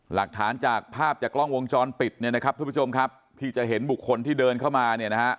หลักฐานจากภาพจากกล้องวงจรปิดที่จะเห็นบุคคลที่เดินเข้ามา